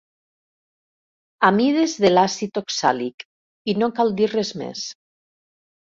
Amides de l'àcid oxàlic, i no cal dir res més.